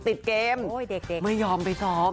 ติดเกมไม่ยอมไปซ้อม